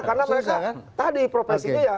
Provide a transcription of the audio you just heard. karena mereka tadi profesinya ya